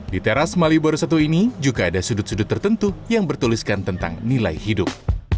di teras malioboro i ini juga ada sudut sudut tertentu yang bertuliskan tentang nilai hidup